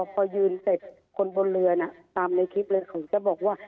พอยืนเสร็จคนบนเรือน่ะตามในคลิปเลยเขาจะบอกว่า